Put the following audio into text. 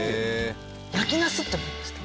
焼きナス？って思いました。